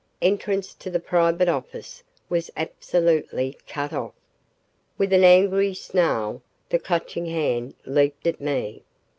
Entrance to the private office was absolutely cut off. With an angry snarl, the Clutching Hand leaped at me.